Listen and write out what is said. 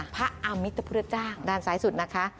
พระอำมิตรพระเจ้าด้านสายสุดนะคะ